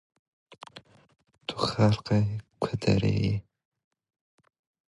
This section deals mostly with the heavy freight canoes used by the Canadian Voyageurs.